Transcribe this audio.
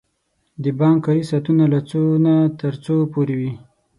د بانک کاری ساعتونه له څو نه تر څو پوری وی؟